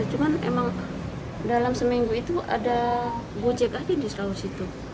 cuman memang dalam seminggu itu ada bujek aja di seluruh situ